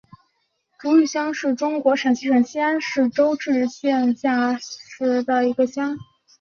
竹峪乡是中国陕西省西安市周至县下辖的一个乡。